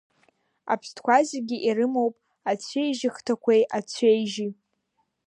Аԥстәқәа зегьы ирымоуп ацәеижьыхҭақәеи, ацәеижьи.